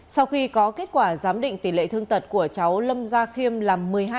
sau khi có kết quả giám định tỷ lệ thương tật của cháu lâm gia khiêm là một mươi hai